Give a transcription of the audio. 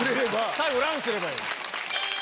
最後「ラン」すれば。